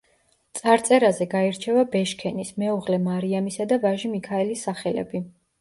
წარწერაზე გაირჩევა ბეშქენის, მეუღლე მარიამისა და ვაჟი მიქაელის სახელები.